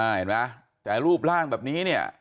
เห็นไหมแต่รูปร่างแบบนี้เนี่ย